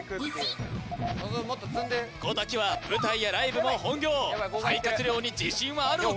望もっと積んで小瀧は舞台やライブも本業肺活量に自信はあるのか？